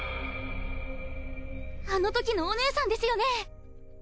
あのときのお姉さんですよね！